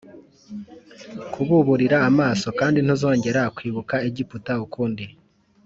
kububurira amaso kandi ntuzongera kwibuka Egiputa ukundi